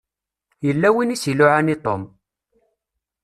Yella win i s-iluɛan i Tom.